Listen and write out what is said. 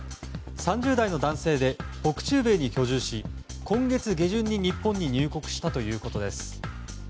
３０代の男性で北中米に居住し今月下旬に日本に入国したということです。